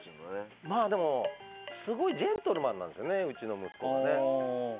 でも、すごいジェントルマンなんですねうちの息子がね。